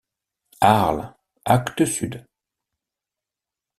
Arles, Actes Sud.